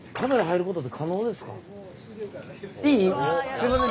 すいません